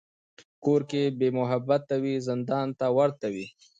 کور که بېمحبته وي، زندان ته ورته وي.